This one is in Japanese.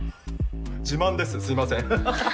自慢ですすいませんはははっ。